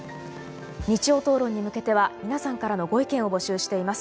「日曜討論」に向けては皆さんからのご意見を募集しています。